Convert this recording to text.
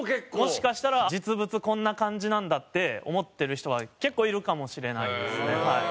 もしかしたら実物こんな感じなんだって思ってる人は結構いるかもしれないですね。